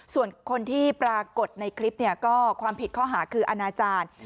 ส่วนคนที่ปรากฏในคลิปเนี่ยก็ความผิดข้อหาคืออนาจารย์